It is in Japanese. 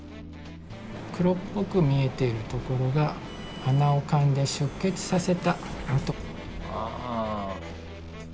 黒っぽく見えているところがはなをかんで出血させた痕。